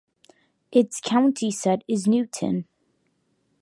Its county seat is Newton.